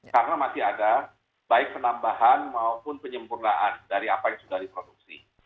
karena masih ada baik penambahan maupun penyempurnaan dari apa yang sudah diproduksi